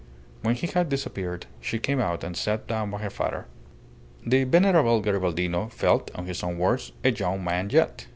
When he had disappeared she came out and sat down by her father. The venerable Garibaldino felt, in his own words, "a young man yet."